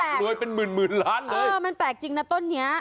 ก็ไม่แปลกมันแปลกจริงนะต้นนี้อยากรวยเป็นหมื่นหมื่นล้านเลย